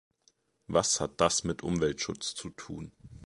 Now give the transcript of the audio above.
Was hat das mit Umweltschutz zu tun?